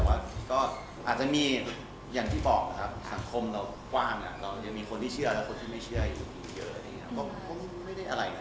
แต่ว่าก็อาจจะมีอย่างที่บอกครับสังคมเรากว้างเรายังมีคนที่เชื่อและคนที่ไม่เชื่ออยู่เยอะอะไรอย่างนี้ครับ